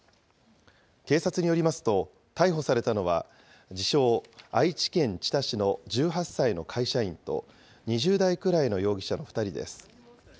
警察によりますと、逮捕されたのは、自称、愛知県知多市の１８歳の会社員と、２０代くらいの容疑者の２人です。